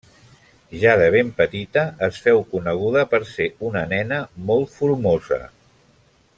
Ja de ben petita, es féu coneguda per ser una nena molt formosa.